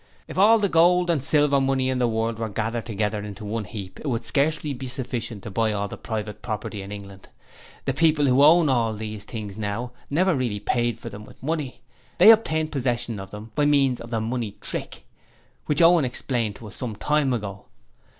'If all the gold and silver money in the World were gathered together into one heap, it would scarcely be sufficient to buy all the private property in England. The people who own all these things now never really paid for them with money they obtained possession of them by means of the "Money Trick" which Owen explained to us some time ago.'